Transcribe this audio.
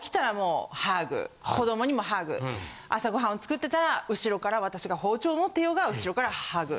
子どもにもハグ朝ごはんを作ってたら後ろから私が包丁を持ってようが後ろからハグ。